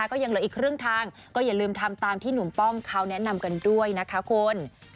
ก็ยังเหลืออีกครึ่งทางก็อย่าลืมทำตามที่หนุ่มป้อมเขาแนะนำกันด้วยนะคะคุณ